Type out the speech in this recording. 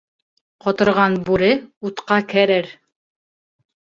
Ҡоторған бүре утҡа керер.